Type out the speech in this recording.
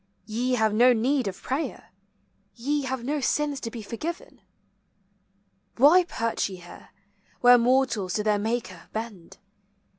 Ye have no need of prayer; Ye have no sins to be forgiven. Why perch ye here, Where mortals to their Maker bend?